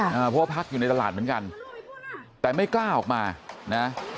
เพราะว่าพักอยู่ในตลาดเหมือนกันแต่ไม่กล้าออกมานะ